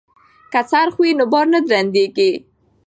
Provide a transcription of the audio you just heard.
که څرخ وي نو بار نه درندیږي.